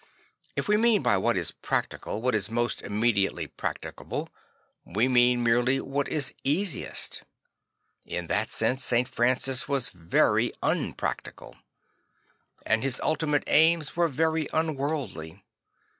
If we mean by what is practical what is most immediatèly practicable, we mean merely what is easiest. In that sense St. Francis was very unpractical, and his ultimate aims were very unworldly.